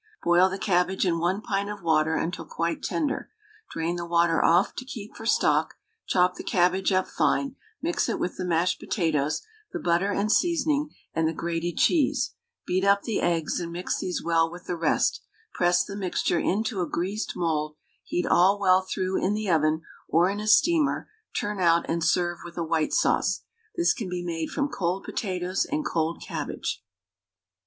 Boil the cabbage in 1 pint of water until quite tender, drain the water off to keep for stock, chop the cabbage up fine; mix it with the mashed potatoes, the butter and seasoning and the grated cheese; beat up the eggs, and mix these well with the rest; press the mixture into a greased mould, heat all well through in the oven or in a steamer, turn out and serve with a white sauce. This can be made from cold potatoes and cold cabbage.